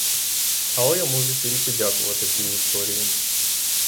Але я можу тільки дякувати тій історії.